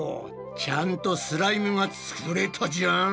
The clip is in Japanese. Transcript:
ちゃんとスライムが作れたじゃん！